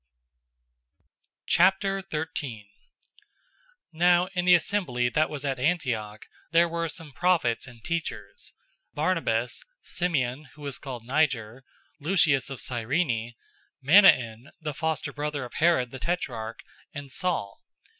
013:001 Now in the assembly that was at Antioch there were some prophets and teachers: Barnabas, Simeon who was called Niger, Lucius of Cyrene, Manaen the foster brother of Herod the tetrarch, and Saul.